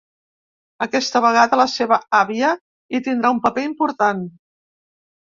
Aquesta vegada la seva àvia hi tindrà un paper important.